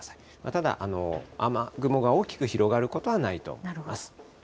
ただ、雨雲が大きく広がることはないと思います。